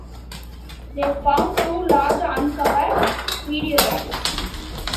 They found two large uncovered meteorites.